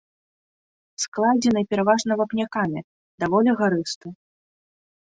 Складзены пераважна вапнякамі, даволі гарысты.